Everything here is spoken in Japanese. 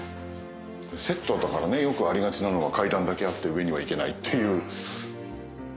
セットだからねよくありがちなのが階段だけあって上には行けないっていう。